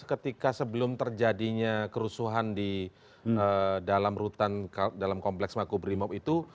ketika sebelum terjadinya kerusuhan di dalam kompleks makub rimob itu